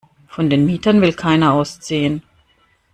Von den Mietern will keiner ausziehen.